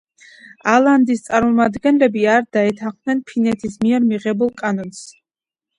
ალანდის წარმომადგენლები არ დაეთანხმნენ ფინეთის მიერ მიღებულ კანონს.